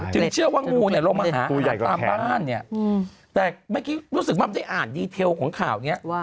เชื่อว่างูเนี่ยลงมาหากูญัติตามบ้านเนี่ยแต่เมื่อกี้รู้สึกว่าได้อ่านดีเทลของข่าวนี้